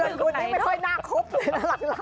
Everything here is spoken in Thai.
เพื่อนคุณไม่ค่อยน่าครบเลยนะหลัง